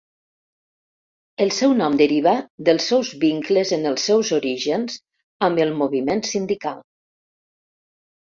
El seu nom deriva dels seus vincles en els seus orígens amb el moviment sindical.